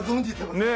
ねえ。